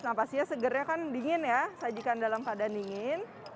nah pastinya segernya kan dingin ya sajikan dalam keadaan dingin